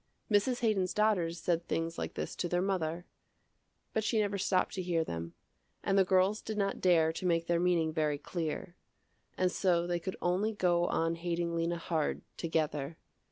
Mrs. Haydon's daughters said things like this to their mother, but she never stopped to hear them, and the girls did not dare to make their meaning very clear. And so they could only go on hating Lena hard, together.